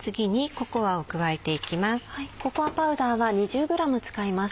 ココアパウダーは２０ｇ使います。